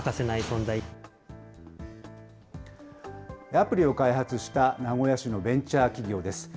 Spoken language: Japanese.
アプリを開発した名古屋市のベンチャー企業です。